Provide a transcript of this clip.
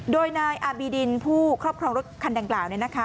โดยนายอาบีดินผู้ครอบครองรถคันดังกล่าว